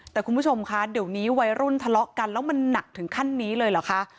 แต่คุณผู้ชมคะเดี๋ยวนี้วัยรุ่นทะเลาะกันแล้วมันหนักถึงขั้นนี้เลยเหรอคะ